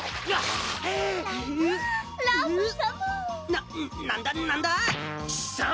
なんだなんだあ？